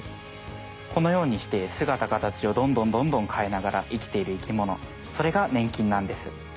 このようにしてすがた形をどんどんどんどんかえながら生きている生きものそれがねん菌なんです。